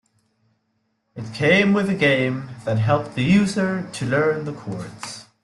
It came with a game that helped the user to learn the chords.